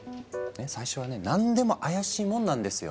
最初はね何でも怪しいもんなんですよ。